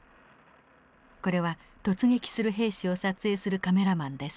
これは突撃する兵士を撮影するカメラマンです。